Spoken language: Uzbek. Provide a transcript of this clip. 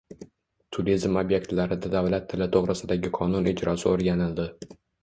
Turizm ob’ektlarida davlat tili to‘g‘risidagi qonun ijrosi o‘rganildi